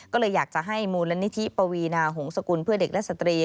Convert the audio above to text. ก็เลยอยากจะให้มูลนิธิปวีนาหงษกุลเพื่อเด็กและสตรี